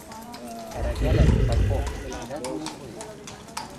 — Ӓрӓкӓлӓн, Санков, ӹшкежӓт вуйым пуэт.